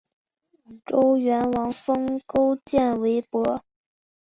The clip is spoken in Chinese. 周元王封勾践为伯。